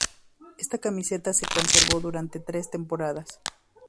Esta camiseta se conservó durante tres temporadas.